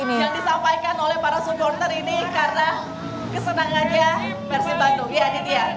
yang disampaikan oleh para supporter ini karena kesenangannya persib bandung ya aditya